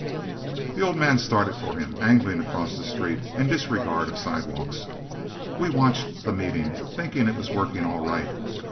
"The old man started for him, angling across the street, in disregard of sidewalks. We watched the meeting, thinking it was working all right.